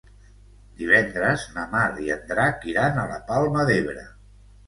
Divendres na Mar i en Drac iran a la Palma d'Ebre.